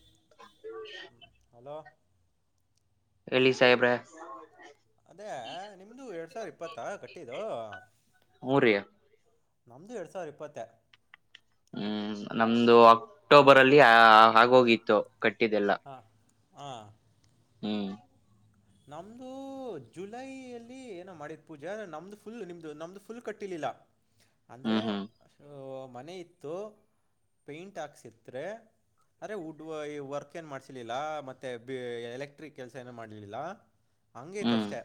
ಹ [unintelligible] ಹಲೋ ಹೇಳಿ ಸಾಯಬ್ರೆ ಅದೇ ನಿಮ್ದು ಎರಡ್ ಸಾವಿರ ಇಪ್ಪತ್ತಾ ಕಟ್ಟಿದ್ದು ಹೂ ರೀ ನಮದುು ಎರಡು ಸಾವಿರ ಇಪ್ಪತ್ತ ಹ್ಮ್ ನಮ್ದು ಅಕ್ಟೋಬರ್ ಅಲ್ಲಿ ಆ ಆಗೋಗಿತ್ತು ಕಟ್ಟಿದೆಲ್ಲ ಹಾಂ ಹಾಂ ಹ್ಮ್ ನಮ್ದು ಜುಲೈಯಲ್ಲಿ ಏನ ಮಾಡಿದ ಪೂಜೆ ನಮ್ದು ಫುಲ್ ನಿಮ್ದು ನಮ್ದು ಫುಲ್ ಕಟ್ಟಿಲಿಲ್ಲ ಅಂದ್ರೆ ಹ್ಮ್ ಹ್ಮ್ ಮನ ಇತ್ತು ಪೇಂಟ್ ಹಾಕ್ಸಿದ್ರೆ ಅರೆೇ ವುಡ್ ಈ ವರ್ಕ್ ಏನ್ ಮಾಡ್ಸಲಿಲ್ಲ ಮತ್ತೆ ಎಲೆಕ್ಟ್ರಿಕ್ ಕೆಲ್ಸ ಏನ ಮಾಡ್ಲಿಲ್ಲ ಹಂಗೈತ ಹ್ಮ್ ಅಷ್ಟೆ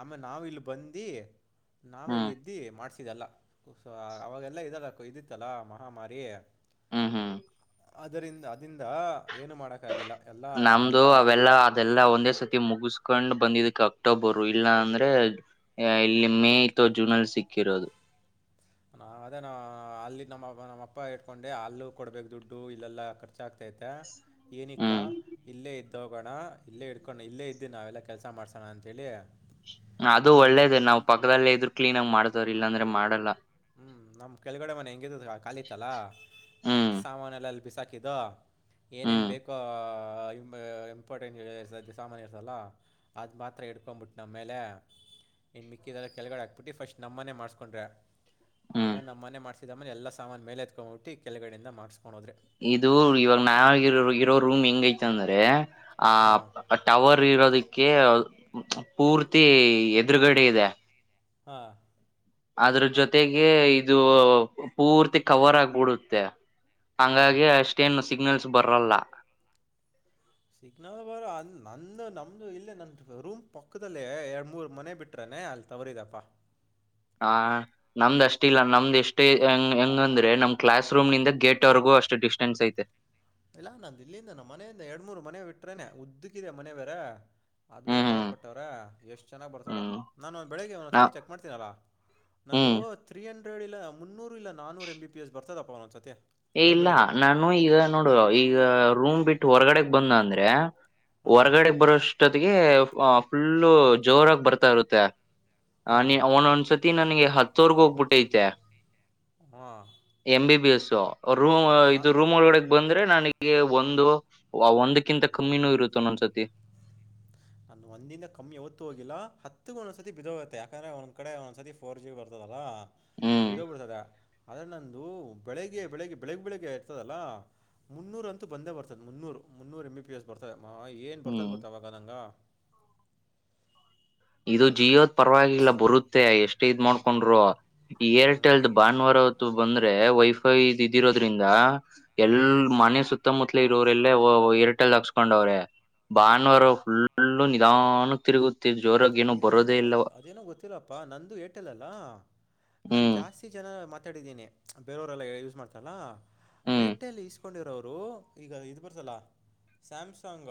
ಆಮೇ ನಾವ ಇಲ್ಲಿ ಬಂದಿ ನಾವ ಹ್ಮ್ ಇಲ್ಲಿ ಇದ್ದಿ ಮಾಡ್ಸ ಲ್ಲ ಅವಾಗೆಲ್ಲ ಇದಲ್ಲ ಇದಿತ್ತಲ್ಲ ಮಹಾಮಾರಿ ಹ್ಮ್ ಹ್ಮ್ ಅದರಿಂದ ಅದಂದ ನಮ್ದು ಅವೆಲ್ಲಾ ಅದೆಲ್ಲಾ ಒಂದೇ ಸತಿ ಮುಗಸ್ ಹಕೊಂಡ್ ಬಂದಿದಕ್ಕೆ ಅಕ್ಟೋಬರ್ ಇಲ್ಲಾ ಅಂದ್ರೆ ಇಲ್ಲಿ ಮೇ ಅಥವಾ ಜೂನ್ ಅಲ್ಲಿ ಸಿಕ್ಕಿರೋದು ಅದೇ ನ ಅಲ್ಲಿ ನಮ್ಮ ನಮ್ಮಪ್ಪ ಇಟ್ಕೊಂಡೆ ಅಲ್ಲೂ ಕೊಡ್ಬೇಕೇು ದುಡ್ಡು ಇಲ್ಲೆಲ್ಲಾ ಕರ್ ಚಾಕ್ತೈತೆ ಏನಿಕ್ಕ ಹ್ಮ್ ಇಲ್ಲೇ ಇದ್ದ ತಗೋಣ ಇಲ್ಲೇ ಇಡ್ಕೊಂಡು ಇಲ್ಲೇ ಇದ್ದು ನಾವೆಲ್ಲ ಕೆಲಸ ಮಾಡ್ಸ ಅದು ನಮ್ಮ ಒಳ್ಳೇದ ನಾವವು ಪಕ್ಕದದಲ್ಲಿ ಇದ್ರು ಕ್ಲೀನ್ ಆಗಿ ಮಾಡ್ತವ್ರ ಇಲ್ಲಾಂದ್ರೆ ಮಾಡಲ್ಲ ಹ್ಮ್ ನಮ್ ಕೆಳಗಡೆ ಮನೆ ಹೆಂಗಿದ ಕಾಲಿಿತಲ್ಲಾ ಹ್ಮ್ ಎತ್ ಸಾಮಾನ ಎಲ್ಲಲ್ಲಿ ಬಿಸಾಕ ಏನೇನ್ ಹ್ಮ್ ಬೇಕೋ ಇಂಪಾರ್ಟೆಂಟ್ರ್ತ ಸಾಮಾನಯ ಇರ್ತಲ್ಲ ಅದು ಮಾತ್ರ ಇಿಡ್ಕೊಂಬಿಟ್ಟು ನಮ್ಮ ಮೇಲೆ ನಿನ್ನು ಮಿಕ್ಕಿದೆದೆಲ್ಲ ಕೆಳಗಡೆ ಹಾಕ್ಬಿಟ್ಟು ಫಸ್ಟ್ ನಮ್ಮನ್ನೇ ಮಾಡ್ಕೊಂಡ್ರೆ ಹ್ಮ್ ಆಮೇಲೆ ನಮ್ಮನೆ ಮಾಡಸಿದಮ್ಮನೆ ಎಲ್ಲ ಸಾಮಾನ ಮೇಲೆ ಎತ್ಕೊಂಡ್ಬಟ್ಟ ಕೆಳಗಡಿಂದ ಮಾಡ್ಸ್ಕು. ಇದು ಇವಾಗ ನಾವರೋ ಇರೋ ರೂಮ್ ಹೆಂಗ ೈತ ಅಂದ್ರೆ. ಆ ಹಾಂ ಟವರ್ ಇರೋದಿಕ್ಕೆ. ಪೂರ್ತಿ ಎದುರುಗಡೆ ಇದೆ. ಹಾ. ಅದ್ರ ಜೊತೆಗೆ ಇದು ಪೂರ್ತಿ ಕವರ್ ಆಗಬಿಡುತ್ತೆ. ಹಾಂ ಹಂಗಾಗಿ ಅಷ್ಟೇನು ಸಿಗ್ನಲ್ಸ್ ಬರಲ್ಲ. ಸಿಗ್ನಲ್ ಬರ ನಂದು ನಮ್ದು ಇಲ್ಲೇ ನನ್ ರೂಮ್ ಪಕ್ಕದಲ್ಲ ಎರಡ್ ಮೂರ್ ಮನೆ ಬಿಟ್ರನೆ. ಹಾಂ ಅಲ್ಲಿ ತವರಿದಪ್ಪ. ಹ ನಮ್ದ್ ಅಷ್ಟ ಇಲ್ಲ ನಮ್ದ್ ಎಷ್ಟೇಂಗ ಹೆಂಗಂದ್ರೆ ನಮ್ ಕ್ಲಾಸ್ ರೂಮ್ ನಿಿಂದ ಗೇಟ್ವರೆಗೂ. ಅಷ್ಟು ಡಿಸ್ಟೆನ್ಸ್ ಐತೆ. ಇಲ್ಲಾ ನಾ ಇಿಲ್ಲಿಂದ ನ ಮನೆಯಿಂದ ಎರಡ್್ಮ ಮೂರ್ ಮನೆ ಬಿಟ್ರೇನೆ ಉದ್ದಕ್ಕಿದೆ ಮನೆ ಬೇರೆ. ಆದದ್ಮೇಲೆ ಟವರ್ ಹ್ಮ್ ಕೊಟ್ಟವ್ರ ಎಷ್ಟು. ಚೆನ್ನಾಗಿ ಬರ್ತದ ಹ್ಮ್ ನಾನು ಒಂದು ಬೆಳಗ್ಗೆ ಒಂದು ನಾ ಸರ್ತಿ ಚೆಕ್ ಮಾಡ್ತೀನಲ್ಲ ನನ್ನದು ಹ್ಮ್ ತ್ರೀ ಹಂಡ. ರಡ್ ಇಲ್ಲ ಮುನ್ನೂರು ಇಲ್ಲ ನಾನೂರು ಎಂ ಬಿ ಎಸ್ ಬರ್ತದಪ್ಪ ಒಂದಸತಿ. ಏ ಇಲ್ಲ ನಾನು ಈಗ ನೋಡು ಈಗ ರೂಮ್ ಬಿಟ್ಟು ಹೊರಗಡೆಗ್ ಬಂದ ಅಂದ್ರೆ. ಹಾಂ ಹೊರಗಡೆಗ್ ಬರೋಷ್ಟೊತ್ತಿಗೆ ಫುಲ್ಲು ಜೋರಾಗಿ ಬರ್ತಾ ಇರುತ್ತೆ. ಹ ನೀ ಹಾಂ ಅವನೊಂದ್ಸತಿ ನನ್ಗೆ ಹತ್ತೋರ್ಗ ಹೋಗ್ಬಿಟ್ಟೈತೆ. ಹಾಂ M B B S room ಇದು ನಾನು ರೂಮ್ ಒಳಗಡೆಗೆ ಬಂದ್ರೆ ನನಗೆ. ಹಾಗಗೆ ಒಂದು ಒಂದಕ್ಕಿಂತ ಕಮ್ಮಿನೂ ಇರುತ್ತ ನೊಂದ್ಸತಿ. ನಾನ ಒಂದಂದ ಕಮ್ಮಿ ಯಾವತ್ತು ಹೋಗಿಲ್ಲಾ ಹತ್ತುಗೂ ಒಂದ್ಸತಿ ಬಿದ ಹೋಗುತ್ತೆ ಯಾಕಂದ್ರೆ ಒಂದ್ಡೆ ಒಂದ್ ಸತಿ ಫೋರ್ ಜಿ ಬಿ ಬರ್ತದಲ್ಲಾ. ಹ್ಮ್ ಬಿದೋ ಬಿಡ್ತಾರೆ ಅದ ನಂದು ಬೆಳಿಗ್ಗೆ ಬೆಳಿಗ್ಗೆ ಬೆಳಗ್ ಬೆಳಿಗ್ಗೆ ಇರ್ತದಲ್ಲ. ಮುನ್ನೂರ ಅಂತೂ ಬಂದೇ ಬರ್ತದೆ ಮುನ್ನೂರು ಮುನ್ನೂರು ಎಂ ಬಿ ಪಿ ಎಸ್ ಬರ್ತದೆ ಏನ್ ಬರ್ತದ ಹ್ಮ್ ಗೊತ್ತವಾಗ ನಂಗಗೆ. ಇದು ಜಿಯೋದ ಪರವಾಗಿಲ್ಲ ಬರುತ್ತೇ ಎಷ್ಟು. ಇದ್ ಮಾಡ್ಕೊಂಡ್ರು ಹ್ಞೂ ಏರ್ಟೆಲ್ ಭಾನುವಾರತ್ತು ಬಂದ್ರೆ ವೈಫೈ ಇದ್ ಇದಿರೋದ್ರಿಂದ. ಹ್ಞೂ ಎಲ್ ಮನೆ ಸುತ್ತಮುತ್ತಲ ಇರೋರೆಲ್ಲ ಹರಟಲ್ ಹಾಕ್ಸ್ಕೊಂಡವ್ರೆ. ಹ್ಞೂ ಬಾನವಾರ ಫುಲ್ಲು ನಿಧಾನ ತಿರುಗ. ಯ್ ಅದೇನೋ ಗೊತ್ತ ಅದೇನೋ ಗೊತ್ತಿಲ್ಲಪ್ಪಾ ನಂದು ಏಟಲ್ಲಲ್ಲಾ. ನಾು ಹ್ಮ್ ಜಾಸ್ತಿ ಜನ ಮಾತಾಡಿದ್ದೀನೆ ಬೇರೆಯವರೆಲ್ಲ ಯೂಸ್ ಮಾಡ್ತಲ್ಲ. ಹ್ಮ್ ಏರ್ಟೆಲ್ ಇಸ್ಕೊಂಡಿರೋವರು ಈಗ ಇದು ಬರ್ಸಲ್ಲ ಸ್ಯಾಮ್ಸಂಗ.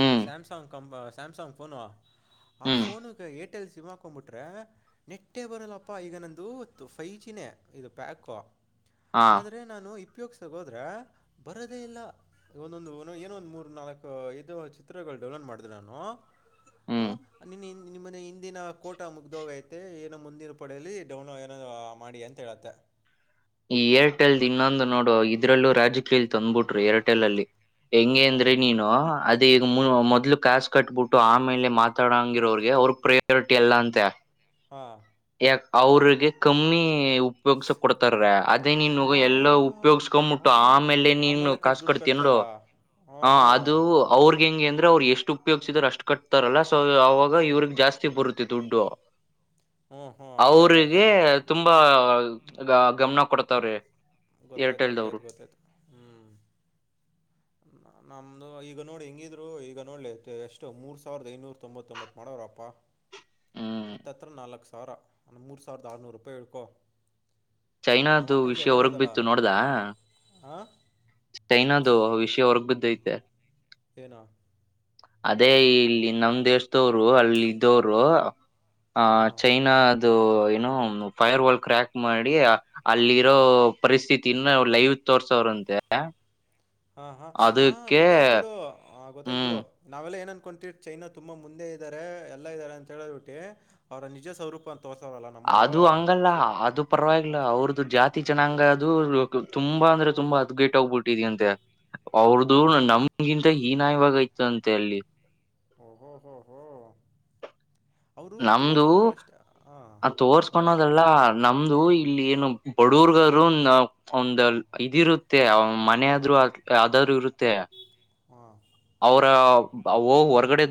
ಹ್ಮ್ ಸಾಮಸಂಗ್ ಕ ಸಾಮಸಂಗ್ ನುವಾ. ಆ ಹ್ಮ್ ಫೋನುಗೆ ಏರ್ಟೆಲ್ ಸಿಮ್ ಹಾಕ್ಕೊ್ಬಿಟ್ರೆ ನೆಟ್ಟೇ ಬರಲ್ಲಪ್ಪ ಈಗ ನಂದುತ್ತು ಫೈ ಜಿನೇ. ಇದು ಪ್ಯಾಕೋ ಹಾ ಆದ್ರೆ ನಾನು. ಉಪಯೋಗಸೋದ್ರೆ ಬರದೇ ಇಲ್ಲ ಒಂದೊಂದು ಏನೊಂದ ಮೂರ್ ನಾಲ್ಕು ಇದು ಚಿತ್ರಗಳು. ಡೆವಲಪ್ ಮಾಡಿದೆ ನಾನು. ಹ್ಮ್ ಹ ನಿನ್ ನಿಮ್ಮನೆ ಹಿಂದಿನ ಕೋಟ ಮುಗ್ದೋಗೈತೆ ಏನೋ ಮುಂದಿನ. ಪಡಲಿ ಡೌನ್ ಏನ ಮಾಡಿ ಅಂತ ಹೇಳತ್ತೆ. ಈ ಏರ್ಟೆಲ್ದ್ ಇನ್ನೊಂದು ನೋಡು ಇದ್ರಲ್ಲೂ ರಾಜಕೀಯಲ್ಲಿ ತಂದ್ಬಿಟ್ರು ಎರರ್ಟೆಲ್ ಅಲ್ಲಿ ಹೆಂಗಗೆ ಹಾಂ ಅಂದ್ರೆ ನೀನು. ಈಗ ಮೊದ್ಲು ಕ್ಯಾ ಕಟ್ಬಿಟ್ಟು ಆಮೇಲೆ ಮಾತಾಡಂಗಿರೋಗೆ ಅವ್ರಗ್ ಪ್ರಯಾರಿಟಿ ಎಲ್ಲ ಅಂತೆ. ಹಾಂ ಅವ್ರಿಗೆ ಕಮ್ಮಿ. ಉಪಯೋಗ್ಸ ಕೊಡ್ತಾರ ಅದೇ ನೀನು ಎಲ್ಲ ಹಾಂ ಉಪಯೋಗ್ಸ್ಕೊಂಡ್ಂಬಟ್ಟು ಆಮೇಲೆ ನೀನ್ ಕಸು ಕಡ್ತೀ ನೋಡ. ಹಾ. ಹ ಅದು ಅವ್ರ. ಹೆಂಗೆ ಅಂದ್ರೆ ಅವ್ರು ಎಷ್ಟು ಉಪಯೋಗ್ಸಿದರು ಅಷ್ಟ್ ಕಟ್ತಾರಲ್ಲ ಸೊ ಅವಾಗ ಇವ್ರಗ್ ಜಾಸ್ತಿ ಬರುತ್ತೆ ದುಡ್ಡು. ಹ. [inaudible] ಅವ್ರಿಗೆ ತುಂಬಾ ಗಮನ ಕೊಡತವ್ರಿ. ಗೊತ್ತಾಯ್ತ್ತು ಗೊತ್ತಾಯ್ತು ಗೊತ್ತಾಯ್ತು ಹ್ಮ್ ನಮ್ಮ. ಈಗ ನೋಡಿ ಹೆಂಗಿದ್ರು ಈಗ ನೋಡ್ಲಿ ಎಷ್ಟು ಮೂರ್ ಸಾವಿರದ ಐನೂರ ತೊಂಬತ್ತೊಂಬತ್ ಮಾಡೋರಪ್ಪಾ. ಹ್ಮ್ ಹತ್ತತ್ರ ನಾಲ್ಕು ಸಾವಿರ ಮೂರು ಸಾವಿರದ ಆರುನೂರು ರೂಪಾಯಿ ಇಳ್ಕೊ. ಚೈನಾದು ವಿಷಯ ಹೊರಗ್ ಬಿತ್ತು ನೋಡ್ದ. ಹಾ- ಚೈನಾದು ವಿಷಯ ಹೊರ್ಗ್ ಬಿದ್ದತೆ. ಏನೋ ಅದೇ ಇಲ್ಲಿ ನಮ್ ದೇಶದವರು ಅಲ್ಲಿ ಇದ್ದವರು ಹ ಹಾಂ ಚೈನಾ ಅದು ಏನು ಫೈರ್ ವಲ್ ಕ್ರ್ಯಾಕ್ ಮಾಡಿ ಅಲ್ಲಿರೋ ಪರಿಸ್ಥಿತನ್ನು ಲೈವ್ ತೋರ್ಸೋರ ಅಂತೆ. ಹಾ ಹಾ ಹಾ ಗೊತ್ತಾಯ್ತ್ ಬಿಡು ಗೊ ಗೊತ್ತಾಯ ಹ್ಮ್ ಬಿಡು ನಾವೆಲ್ಲಾ ಏನ್ ಅನ್ಕೊಂತೀವಿ ಚೈನಾ ತುಂಬಾ ಮುಂದೆ ಇದ್ದಾರೆ ಎಲ್ಲಾ ಇದ್ದಾರೆ ಅಂತ ಹೇಳ್ ಬಿಟ್ಟಿ ಅವ್ರ ಅಲ್ಲಿ ನಿಜ ಸ್ವರೂಪ ತೋರ್ಸೋರಲ್ಲ ನಮ್ಮವರು ಅದು ಹಂಗಲ್ಲ ಅದು ಪರವಾಗಿಲ್ಲ ಮತ್ತು ಅವ್ರದ್ದು ಜಾತಿ ಜನಾಂಗ ದು ತುಂಬಾ ಅಂದ್ರೆ ತುಂಬಾ ಹದಗೇಟ್ಗ್ಬಿಟ್ಟಿದ ಅಂತೆ ಅವ್ರ್ದು ಹಾಂ ನಮಗಿಂತ ಹೀನಾಯವಾಗ ಐತಿ ಅಂತೆ ಅಲ್ಲಿ. ಓಹೋ ಹೋ ಹೋ ಅವರು ತೋರ್ಸ್ಕೊಳಲ್ಲ ಅಷ್ಟ. ಅ ತೋರ್ಸ್ಕೊಂಡೋದಲ್ಲ ನಮ್ದು ಹಾಂ ಇಲ್ಲಿ ಏನು ಬಡಗ್ರು ಆದ ಒಂದು ಇದಿರುತ್ತೆ ಮನೆ ಆದ್ರರು ಹಾಂ ಆದರೂ ಇರುತ್ತೆ. ಹಾಂ ಅವ್ರ ಹೋಗಿ ಹೊರ್ಗಡೆ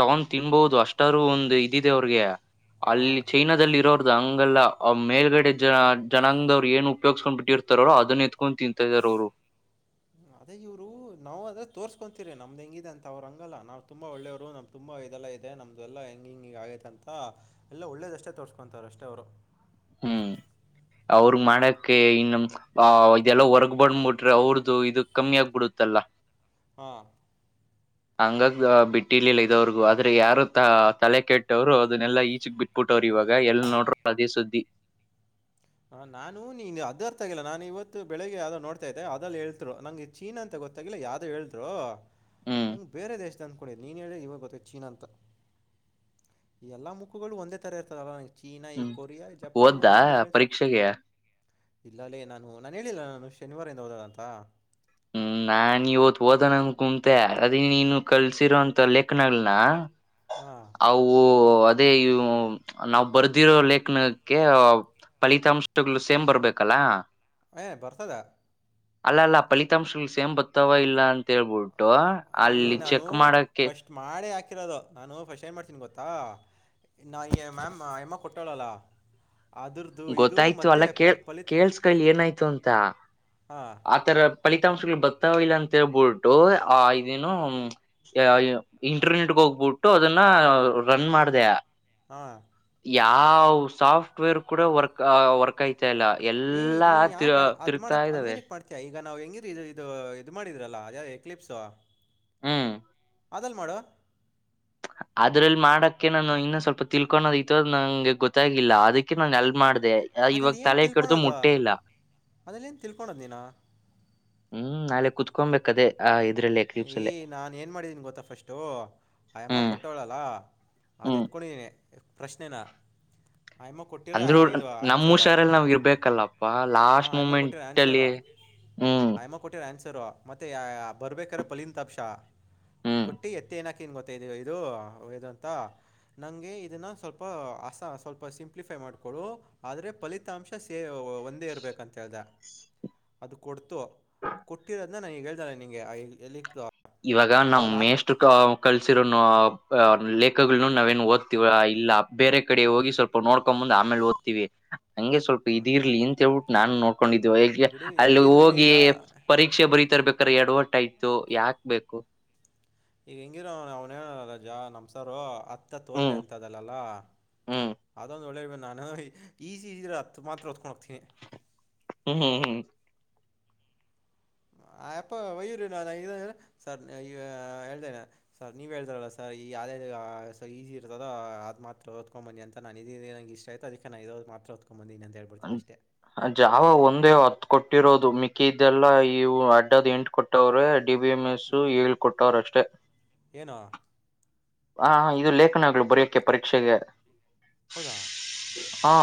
ತಗೊಂಡ್ ತಿನ್ಬಹುದು ಅಷ್ಟಾರು ಒಂದು ಇದಿದೆ ಅವ್ರಿಗೆ. ಅಲ್ಲಿ ಹಾಂ ಚಿನಾದಲ್ಲಿ ಇರೋರ್ದ ಹಂಗಲ್ಲ. ಆ ಮೇಲ್ಗಡೆ ಜನ ಜನಾಂಗದ ಅವ್ರು ಏನ್ ಉಪಯೋಗ್ಸ್ಕೊಂಡ್ ಬಿಟ್ಟಿರ್ತಾರಾರೋ ಅದನ್ನ ಎತ್ಕೊಂಡು ತಿಂತಾ ಇದಾರೆ ಅವ್ರು. [unintelligible] ಅದೇ ಇವರು ನಾವು ಅದೆ ತೋರ್ಸ್ಕೊಂತೀರಿ ನಮ್ದ್ ಹೆಂಗಿದೆ ಅಂತ ಅವರು ಹಂಗಲ್ಲ ನಾವ ತುಂಬಾ ಒಳ್ಳೇವರು ನಮ್ ತುಂಬಾ ಇದೆಲ್ಲ ನಮ್ದು ಎಲ್ಲ ಹೆಂಗ ಹಿಂಗ ಹೀಗ ಆಗೈತ ಅಂತ ಎಲ್ಲ ಒಳ್ಳೇದಷ್ಟೇ ತೋರ್ಸ್ಕೊಂತಾರ ಅಷ್ಟೇ ಅವ್ರು. ಹ್ಮ್. ಅವ್ರ ಮಾಡಕ್ಕೆ ಇನ್ನು ಇದೆಲ್ಲ ಹೊರ್ಗ್ಬಡ್ಬಟ್ರೆ ಅವ್ರದು ಇದು ಕಮ್ಮಿ ಆಗ್ಬಿಡುತ್ತೆ. [unintelligible] ಹಾ. ಹಂಗಾಗ ಬಿಟ್ಟಿರ್ಲಿಲ್ಲ ಇದವ್ರಿಗು ಆದ್ರೆ ಯಾರು ತ ತಲೆ ಕೆಟ್ಟವ್ರು ಅದನ್ನೆಲ್ಲಾ ಈಚಕ್ ಬಿಟ್ಬಿಟ್ಟ ರೋರ್ ಇವಾಗ ಎಲ್ ನೋಡ್ರು ಅದೇ ಸುದ್ದಿ. [unintelligible] ಹ ನಾನು ನೀನು ಅದ ಅರ್ಥ ಆಗಿಲ್ಲ ನಾನು ಇವತ್ತು ಬೆಳಿಗ್ಗೆ ಯಾವ್ದೋ ನೋಡ್ತಾ ಇದ್ದೆ ಅದಲ್ಲಿ ಹೇಳ್ತರು ನಂಗೆ ಚೀನಾ ಅಂತ ಗೊ ಗೊತ್ತಿಲ್ಲ ಯಾವ್ದ ಹೇಳಿದ್ರು ಹ್ಮ್ ನ ಬೇರೆ ದೇಶ- ಅಂಕೋಳಿ ನೀನ್ ಹೇಳಿ ಇವಾಗ ಗೊತ್ತ ಚೀನಾ ಅಂತ ಎಲ್ಲಾ ಮುಖಗಳು ಒಂದೇ ತರ ಇರ್ತವಲ್ಲ. ಚೀನಾ ಈ ಹ್ಮ್ ಕೊರಿಯಾ ಜಪಾನ್ ಓದ್ದಾ ಏನ್ ಡಿಫ್ರೆನ್ಸ್ ಪರೀಕ್ಷೆಗೆ ಇಲ್ಲಲ್ಲೇ ನಾನು ನಾನು ಹೇಳಿಲ್ಲ ನಾನು ಶನಿವಾರದಿಂದ ಹೋಗಲ್ಲ ಅಂತಾ. ಹ್ಮ್ ನಾನ್ ಇವತ್ತು ಓದೋಣ ಅಂತ ಕುಂತೆ ಅದ ನೀನು ಕಲ್ಸಿರೋಂತ ಲೆಖನಗಳನ್ನ ಹಾಂ ಅವು ಅದೇ ನಾವ್ ಬರ್ದಿರೋ ಲೇಖನಕ್ಕೆ ಫಲಿತಾಂಶಗಳು ಸೇಮ್ ಬರ್ಬೇಕಲ್ಲ. ಯ್ ಬರ್ತದ. ಅಲ್ಲ ಅಲ್ಲ ಫಲಿತಾಂಶಗಳು ಸೇಮ್ ಬರ್ತ್ತಾವ ಇಲ್ಲ ಅಂತ ಹೇಳ್ಬೋದು. ಬೀಟ್ಟ ಈ ಅಲ್ಲಿ ನಾನು ಚೆಕ್ ಮಾಡಕ್ಕೆ ಫಸ್ಟ್ ಮಾಡೇ ಹಾಕಿರೋದು ನಾನು ಫಸ್ಟು ಏನ್ ಮಾಡ್ತೀನಿ ಗೊತ್ತಾ ನಾ ಮ್ಯಾಮ್ ಯಮ್ಮ ಕೊಟ್ಟಾಳಲ್ಲ. ಗೊತ್ತಾಯ್ತು ಅಲ್ಲ ಕೇ ಕೇಳ್ಸ್ಕಲಿ ಏನಾಯ್ತು ಅಂತ ಹಾಂ ಆತರ ಫಲಿತಾಂಶಗಳು ಬರ್ತಾವಿಲ್ಲ ಅಂತೇಳ್ಬಿಟ್ಟು ಆ ಇದೇನು ಇಂಟರ್ನೆಟ್ಗೆ ಹೋಗ್ಬಿಟ್ಟು ಅದನ್ನ ರನ್ ಮಾಡ್ದೆ. ಹಾಂ ಯಾವ್ ಸಾಫ್ಟ್ ವೇರ್ ಕೂಡ ವರ್ಕ್ ವರ್ಕ್ ಆಯ್ತ ಆಗ್ತಇಲ್ಲ ಏ ಎಲ್ಲಾ ನೀನ್ ತಿ ಯಾಕೆ ಅದ್ ತಿರುಗ್ತಾ ಮಾಡಕ್ ಇದ್ದಾವೆ. ಹಂಗೇನಕ್ ಮಾಡ್ತೀಯ ಈಗ ನಾವ್ ಹೆಂಗಿದ ಇದು ಇದು ಮಾಡಿದ್ರಲ್ಲ ಯ ಎಕ್ಲಿಪ್ಸ್ ಹ್ಮ್. ಅದಲ್ಲ ಮಾಡು ಅದ್ರಲ್ಲಿ ಮಾಡಕ್ಕೆ ನಾನು ಇನ್ನು ಸ್ವಲ್ಪ ತಿಳ್ಕೊಕೋಣುದಿತ್ತು ನಂಗೆ ಗೊತ್ತಾಗಿಲ್ಲ ಅದಕ್ಕೆ ನಾನ ಎಲ್ ಮಾಡ್ದೆ. ಅದು ಇವಾಗ ಏನ್ ತಲೆ ಕಡ್ದು ತಿನ್ಕೊಳ್ಳೋದು ಮುಟ್ಟೆ ಇಲ್ಲ ಅದು ಏನ್ ತಿನ್ಕೋಣೋದು ನೀನು. ಹ್ಮ್ ನಾಳೆ ಕುತ್ಕೊಬೇಕು ಅದೇ ಆ ಇದ್ರಲ್ಲೇ ಕ್ಲಿಪ್ಸ್ ಏ ಅಲ್ಲೇ ನಾನ್ ಏನ್ ಮಾಡಿದೀನಿ ಗೊತ್ತಾ ಫಸ್ಟು ಅ ಯಮ್ಮ ಹ್ಮ್ ಕೊಟ್ಟವಳಲ್ಲ. ಅದು ಹ್ಮ್ ಎತ್ಕೊಂಡೀನಿ ಪ್ರಶ್ನೆನಾ ಆಯಮ್ಮ ಕೊಟ್ಟಿರೋ ಅಂದ್ರು ಐದು ನಮ್ ಆನ್ಸರ್ ಹುಷಾರಲ್ಲಿ ನಾವ್ ಇರ್ಬೇಕಲ್ಲಪ್ಪಾ ಲಾಸ್ಟ್ ಅಯಮ್ಮ ಕೊಟ್ಟಿರೋ ಮೂಮೆಂಟ್ ಆನ್ಸರ್. ಅಲ್ಲಿ ಹ್ಮ್ ಆಯಮ್ಮ ಕೊಟ್ಟಿರೋ ಆನ್ಸ್ ಮತ್ತೆ ಬರ್ಬೇಕ್ರೆ ಪಲಿನ್ ತಷ ಹ್ಮ್ ಕೊಟ್ಟು ಎತ್ತೆನಕು. ಟೀಮ್ ಬರ್ತಾ ಇದೀವಿ ಇದು ಹೋಗೋದು ಅಂತ. ನಂಗೆ ಇದನ್ನ ಸ್ವಲ್ಪ ಅಸ ಸ್ವಲ್ಪ ಸಿಂಪ್ಲಿಫೈ ಮಾಡ್ಕೋಡು ಆದ್ರೆ ಫಲಿತಾಂಶ ಸೇ ಒಂದೇ ಇರರ್ಬೇಕಂತ್ ಆಗ ಅದು ಕೊಡ್ತು ಕೊಟ್ಟಿರೋದನ್ನ ನನಗ ಹೇದಾನೆ ನಿಂಗೆ ಎಲ್ಲಿದ್ರೂ ಇವಾಗ ನಮ್ಮ ಮೇಷ್ಟು ಕಲ್ಸಿರೋನು ಅ ಲೇಖ್ನ್ನ ಗಳನ ನಾವೇ ಏನ್ ಓದ್ತಿವ ಇಲ್ಲ ಬೇರೆ ಕಡೆ ಹೋಗಿ ಸ್ವಲ್ಪ ನೋಡ್ಕಂಬಂದ್ ಆಮೇಲೆ ಓದ್ತಿವಿ. ಹಂಗೆ ಸ್ವಲ್ಪ ಇದ ಹ್ಞೂ ಇರ್ಲಿ ಅಂತ ನಾನ್ ನೋಡ್. ಕೊಂಡಿದ್ ವೈರ್ಗೆ ಬಿಡು ಅಲ್ಲಿ ಹೆಂಗಿದ್ರು ಹೋಗಿ ಈಗ ಪರೀಕ್ಷೆ ಬರೀತರ್ಬೇಕ್ರೆ ಎಡವಟ್ಟು ಆಯ್ತು ಯಾಕೆ. ಬೇಕು ಈಗ ಹೆಂಗಿರ ಅವ ಅವ್ನ ರಜಾ ನಮ್ರಸರ್ ತ ತೋದ್ರೆ ಹ್ಮ್ ಅಂತದಲ್ಲಲ್ಲಾ ಹ್ಮ್ ಅದೊಂದು ಒಳ್ಳೇದು. ನೋಡಿಈಜಿ ಇದ್ರ ಹತ್ರಾ ಮಾತ್ರ ಒತ್ಕೊಂಡ್ ಹೋಗತಿನಿ. ಹ್ಮ್ ಹ್ಮ್ ಹ್ಮ್ ಹ ಆಪೋ ವಯ್ಯೂರ್ಲ್ಲ ಸರ್ ಹೇಳ್ದೇನೆ ಸರ್ ನೀವು ಹೇಳ್ತಾರಲ್ಲ ಸರ್ ಈ ಆದ. ಈಸಿ ಇರ್ತದ ಅದು ಮಾತ್ರ ಹೊದತ್ಕೊಂಡ್ ಬನ್ನಿ ಅಂತ ನ ಇದಂಗೆ ಇಷ್ಟ ಆಯತ ಅದಕ್ಕೆ ನ ಹೇಳಿ ಮಾತ್ರ ಓದ್ಕೊಂಬಂದಿನಿ ಅಂತ ಹೇಳ್ಬಿಡ್ತೀನಿ ಅಷ್ಟೇ ಜಾವ ಒಂದೇ ಹತ್ತು ಕೊಟ್ಟು ಇಟ್ಟಿರೋದು ಮಿಕ್ಕಿ ಇದೆಲ್ಲಾ ಇವು ಅಡ್ಡದ ಎಂಟ್ ಕೊಟ್ಟವ್ರೆ. ಡಿಬಿಎಂಎಸ್ಸು ಹಳ್ಕೊಟ್ಟಾರಷ್ಟೆ ಏನೋ ಹ ಹ ಇ ಲೇಖನಗಳು ಬರೆಯಕೆ ಪರೀಕ್ಷೆಗೆ ಹೌದಾ ಹಾ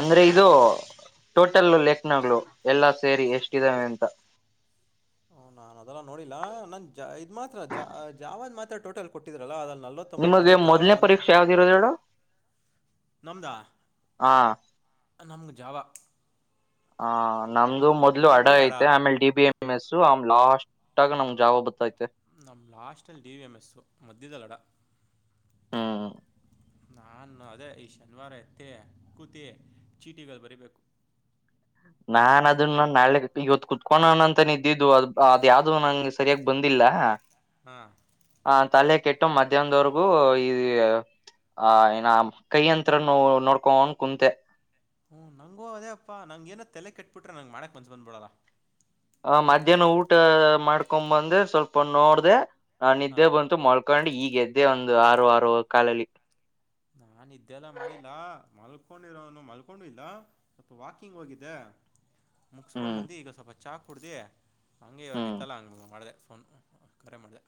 ಅಂದ್ರೆ ಇದು. ಟೋಟಲ್ಲೆ ಲೆಕ್ನಾಗಳು ಎಲ್ಲಾ ಸೇರಿ ಎಷ್ಟ್ದಾವೆ ಅಂತ. ಓ ನಾನ್ ಅದೆಲ್ಲಾ ನೋಡಿಲ್ಲ ನನ್ ಇದ್ ಮಾತ್ರ ಜಾವದು ಮಾತ್ರ ಟೋಟಲ್ ಕೊಟ್ಟಿದ್ರಲ್ಲ ಅ ನಿಮಗೆ ಮೊದ್ನೇ ಪರೀಕ್ಷೆ ಯಾವ್ದಿ ಇರೋದು ಹೇಳು. ನಮ್ದಾ ಹ ನಮ್ಗ ಜಾವ. ಹ ನಮ್ದು ಮೊದ್ಲು ಅಡ ಹಿಟ್ಟು ಆಮೇಲೆ ಡಿ ಬಿ ಎಂ. ನಿಮ್ ಹೆಸರು ಲಾಸ್ಟ್ ಆಗ ನಮ್ ಜಾವ ಬತ್ತಾಯ್ತು. ನಮ್ಮ್ ಲಾಸ್ಟ್ಲ್ಲಿ ಡಿ ವಿ ಎಮ್ ಎಸ್ ಮಧ್ಯದ ಮಧ್ಯದಲ್ಲ. ಹ್ಮ್ ನಾಾನು ಅದೇ ಈ ಶನಿವಾರ ಎತ್ತೆ ಕೂತೆ ಚೀಟಿಗಳು ಬರಿಬೇಕು. [inaudible] ನಾನ್ ಅದನ್ನ ನಾಳೆ ಇವತ್ತು ಕುತ್ಕೋಣ ಅಂತ ನೇ ಇದಿದ್ದು ಅದು ಅದು ಯಾವ್ದು ನಂಗೆ ಸರಿಯಾಗಿ ಬಂದಿಲ್ಲ. ಹಾಂ ಹ ತಲೆ ಕೆಟ್ಟು ಮಧ್ಯಾಹ್ದವರೆಗೂ ಈ ಆ ಏನ ಕೈ ಯಂತ್ರನು ನೋಡ್ಕೊಣು ಕುಂತೆ. ಹ್ಮ ನಂಗು ಅದೇ ಅಪ್ಪಾ ನಂಗ ಏನೋ ತಲೆ ಕೆಟ್ಬಿಟ್ರೆ ನಂಗ್ ಮಾಡಕ್ ಮನ್ಸ ಬಂದ್ಬಿಡಲ್ಲ ಆ ಮಧ್ಯಾಹ್ನ ಊಟ ಮಾಡ್ಕೊಂಡ್ ಬಂದು ಸ್ವಲ್ಪ ನೋಡ್ದೆ ನಿದ್ದೆ ಹಾಂ ಬಂತು ಮಳ್ಕ ಕೊಂಡು ಈಗ ಎದ್ದೇ ಒಂದು ಆರು ಆರು ಕಾಲಲ್ಲಿ. ಹಾ ನಾನು ನಿದ್ದೆನೇ ಮಾಡಿಲ್ಲಾ ಮಲ್ಕೊಂಡಿರೋನು ಮಲ್ಕೊಂಡು ಇಲ್ಲ ಸ್ವಲ್ಪ ವಾಕಿಂಗ್ ಹೋಗಿದ್ದೆ. ಮುಗಸ್ಕೊ ಹ್ಮ್ ಬಂದಿ ಈಗ ಸ್ವಲ್ಪ ಚಾ ಕುಡ್ದೀ ಹಂಗೆ ಹ್ಮ್ ಇವಗಿತ್ತಲ್ಲ ಹಂಗ್ ಮಾಡ್ದೆ. ಫೋನ್ ಕರೆ ಮಾಡಿದೆ.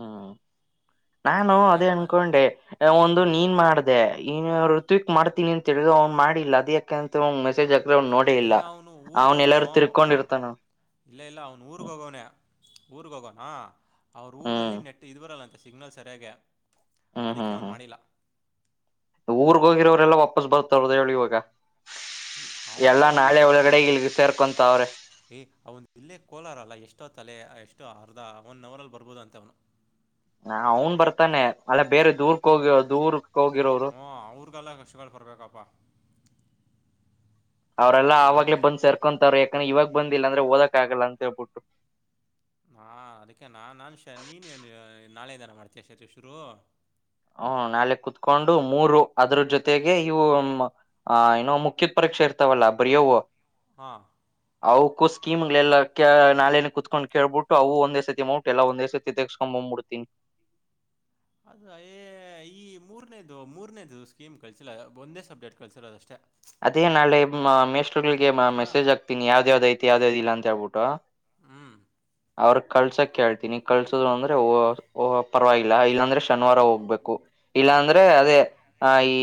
ಹ್ಮ ನಾನು ಅದೇ ಅದೇಪ್ಪ ಅನ್ಕೊಂಡೆ ಒಂದು ಹಾಂ ನೀನ್ ಮಾಡ್ದೆ ಇನ್ಯಾರು. ಕ್ವಿಕ್ ಮಾಡ್ತೀನಿಂತ ಹೇಳಿದ ಅವ್ನು ಮಾಡಿಲ್ಲ ಅದ ಯಾಕ ಅಂತ ಮೆಸಜ್ ಏ ಅವನು ಊರುಗ ಹೋಗನೋ ತಿರ್ಕೊಂಡಿರ್ತಾನ ಇಲ್ಲ ಇಲ್ಲ ಅವ್ನು ಊರುಗ ಹ್ಮ್ ಹೋಗಣೆ ಊರ್ಗ ಹೋಗೋಣ ಅವ್ರ ಹ್ಮ್ ಊರಲ್ಲಿ ನೆಟ್ ಇದ್ ಬರಲ್ಲ ಅಂತೆ ಸಿಗ್ನಲ್ ಸರಿಯಾಗ ಅದಕ್ಕೆ ಹ್ಮ್ ಅವನ್ ಹ್ಮ್ ಮನಲಾ ಊರ್ಗ್ ಹೋಗಿರೋರೆಲ್ಲಾ ವಾಪಸ್ ಬರ್ತ್ರ್ದ ಹೇಳಿ ಇವಾಗ ಅವನು ಎಲ್ಲಾ ಇವಾಗ ಇನ್ನ ನಾಳೆ ಬರ ಒಳಗಡೆ ಇಲ್ಗೆ ಸೇರ್ಕೊಂತಾವ್ರೆ ಏ ಅವನ್ ಇಲ್ಲೇ ಕೋಲಾರಲ್ಲ ಎಷ್ಟೋ ತಲೆ ಎಷ್ಟೋ ಅರ್ಧ ಒನ್ ಅವರ್ ಅಲ್ ಬರ್ಬೋದ ಅಂತ ಅವನು ಹ ಅವ್ನ್ ಬರ್ತಾನೆ ಅಲ್ಲ ಬೇರೆ ದೂರ್ಕ್ ಹೋಗಿ ದೂರ್ ಹಓ ಅವ್ರಗಲ್ಲ ಕಕ್ಷಗಳು ಬರ್ಬೇಕಪ್ಪಾ ಅವರೆಲ್ಲಾ ಆವಾಗಲೇ ನನ್ನ ಬಂದ್ ಸೇರ್ಕೊಂತತಾರ ಯಾಕಂದ್ರೆ ಇವಾಗ ಬಂದಿಲ್ಲ ಅಂದ್ರೆ ಓದಕ್ ಆಗಲ್ಲ ಅಂತೇಳ್ಬಿಟ್ಟು ಹಾ ಅದಕ್ಕೆ ನಾ ನಾನ್ ಶ ನೀನ್ ನಾಳೆ ದನ ಮಾಡ್ತಯ ಶ ಶುರು ಹ ನಾಳೆ ಕುೂತ್ಕೊಂಡು ಮೂರು ಅದ್ರ ಜೊತೆಗೆ ಇವು ಅ ಏನೋ ಮುಖ್ಯತ್ ಪ್ರ ಇರ್ತವಲ್ಲ ಬರಿಯೋವು ಹಾ ಅವವುಕ್ಕೂ ಸ್ಕೀಮ ಗಳಲ್ಲಾ ನಾೆೇನೆ ಕುೂತ್ಕೊಂಡ್ ಕಳ್ಬಿಟ್ಟ ಅವು ಒಂದೇ ಸತಿ ಅಮೌಂಟ್ ಎಲ್ಲ ಒಂದೇ ಸತಿ ತೆಗೆಸ್ಕೊ್ಬ ಮೂಡ್ತೀನಿ [inaudible] ಅದು ಯ ಈ ಮೂರನೇದು ಮೂರನೇದು ಸ್ಕೀಮ್ ಕಳಸಿಲ್ಲ ಒಂದೇ ಸಬ್ಜೆಕ್ಟ್ ಕಳ್ಸರೋದಷ್ಟೇ ಅದೇ ನಾಳೆ ಮೇಸ್ರ್ಗಳಿಗೆ ಹಾಂ ಮೆಸೇಜ್ ಆಗ್ತೀನಿ ಯಾವ್ದ ಯಾವ್ದ ಐತಿ ಯಾವ್ದ್ಯ ಯಾವ್ದ ಇ ಅಂತ ಹೇಳ್ಬಿಟ್ಟು ಹಾಂ ಅವ್ರ ಕಳ್ಸಕ್ ಹೇಳ್ತೀನಿ ಕಳ್ಸೋದು ಅಂದ್ರೆ ಪರವಾಗಿಲ್ಲ ಇಲ್ಲಾಂದ್ರೆ ಶನಿವಾರ ಹೋಗ್ಬೇಕು ಇಲ್ಲಾ ಅಂದ್ರೆ ಅದೇ ಆ ಈ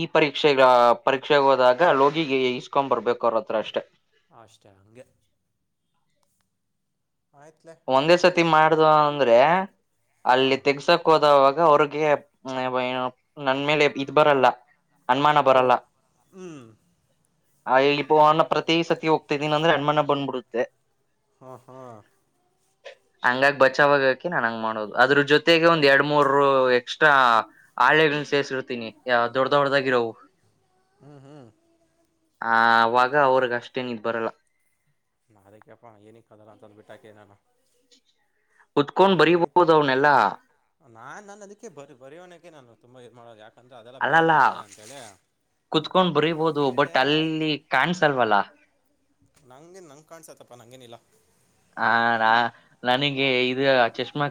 ಈ ಪರೀಕ್ಷೆ ಪರೀಕ್ಷೆಗೆ ಹೋದಾಗ ಲೋಗಿಿಗೆ ಇಸ್ಕೊಂಡ್ ಬರ್ಬೇಕು ಅವ್ರ ಹತ್ರ ಅಷ್ಟೇ ಅಷ್ಟೇ ಹಂಗೆ ಆಯ್ತ್ಲೆ ಒಂದೇ ಮತ್ತೆ ಸತಿ ಮಾಡ್ದ ಅಂದ್ರೆ ಅಲ್ಲಿ ಹಾಂ ತೆಗ್ಸಕ್ ಹೋದವಾಗ ಅವ್ರಗ್ ಹಾಗೆಏ ನನ್ ಮೇಲೆ ಇದ್ ಬರಲ್ಲ ಅನ್ಮಾನ ಓ ಬರಲ್ಲ ಹ್ಞೂ ಆ ಇ ಭನ ಪ್ರತಿ ಸತಿ ಹೋಗ್ತಾದ್ದೀನ ಅಂದ್ರೆ ಅಣ್ಮನ ಬಂದ್ಬಿಡುತ್ತೆ ಹಾ ಹಾ ಹಂಗಾಗಿ ಬಚಾವಾಗಕೆ ನಾನ್ ಹಂಗ ಮಾಡೋದು ಅದ್ರ ಜೊತೆಗೆ ಒಂದ್ ಎರಡ್ ಮೂರ್ ಎಕ್ಸ್ಟ್ರಾ ಆಳೆಗಳು ಸೇರಿಸಿರ್ತೀನಿ ಯ ದೊಡ್ಡ ದೊಡ್ಡದಾಗಿ ಇರೋವು ಹ್ಮ್ ಹ್ಮ್ ಆ ಅವಾಗ ಅವ್ರಗ್ ಅಷ್ಟೇನಿದ್ ಬರಲ್ಲ ನಾ ಅದಕ್ಕೆಪ ನಿ ಕದೆಲ್ಲಾ ತಂದು ಬಿಟ್ಟಾಕನಣ ಕುತ್ಕೊಂಡ್ ಆಯ್ತು ಬರಿಬಹುದು ಅವನೆಲ್ಲಾ ನಾನ್ ನಾನ ಅದಕ್ಕೆ ಬರಿ ಬರೆಯೋಣಕ್ಕೆ ನಾನು ತುಂಬಾ ಇ ಮಾಡ ಯಾ ಂದ್ರೆ ಅದೆಲ್ಲ ಅಲ್ಲಲ್ಲ ಬೇಡದದೆಲ್ಲ ಬೇಡ ಅಂತ ಹೇಳಿ ಕುತ್ಕೊಂಡ್ ಬರಿಬೋದು ಬಟ್ ಅಲ್ಲಿ ಕಾಣಸಲ್ವಲ್ಲ ನಂಗಗೆನ್ ನಂಗಗೆ ಕಾಣ್ಸತ್ತಪ್ಪಾ ನಂಗೇನ ಇಲ್ಲಾ ಹಾ ನಾ ನನಗೆ ಇದು ಚಷ್ಮಾ